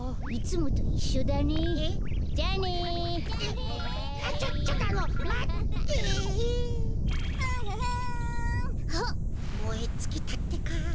もえつきたってか。